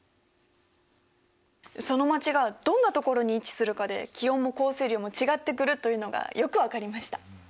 その街がどんなところに位置するかで気温も降水量も違ってくるというのがよく分かりました。